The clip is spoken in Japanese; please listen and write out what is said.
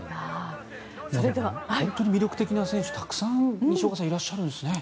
本当に魅力的な選手西岡さんいらっしゃるんですね。